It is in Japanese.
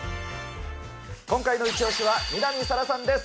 今回のイチオシは、南沙良さんです。